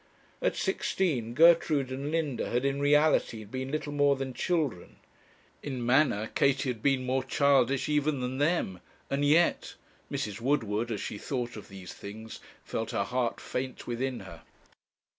At sixteen, Gertrude and Linda had in reality been little more than children. In manner, Katie had been more childish even than them, and yet Mrs. Woodward, as she thought of these things, felt her heart faint within her.